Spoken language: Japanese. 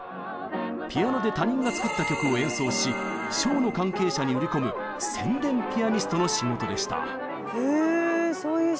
ピアノで他人が作った曲を演奏しショーの関係者に売り込む宣伝ピアニストの仕事でした。